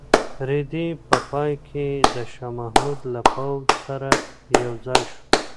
رېدی په پای کې د شاه محمود له پوځ سره یوځای شو.